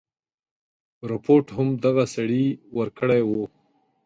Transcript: رپوټ هم دغه سړي ورکړی وو.